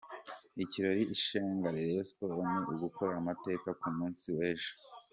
Ikiraje ishinga Rayon Sports ni ugukora amateka ku munsi w’ejo.